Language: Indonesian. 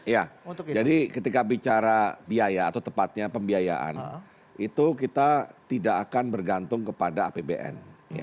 ya jadi ketika bicara biaya atau tepatnya pembiayaan itu kita tidak akan bergantung kepada apbn